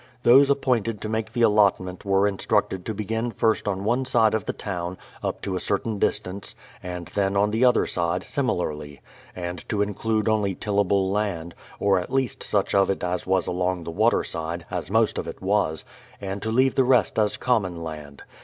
Those appointed to make the allotment were instructed to begin first on one side of the town, up to a certain distance, and then on the other side, similarly; and to include only tillable land, — or at least such of it as was along the water side, as most of it was, — and to leave the rest as common land.